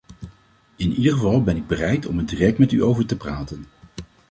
In ieder geval ben ik bereid om er direct met u over te praten.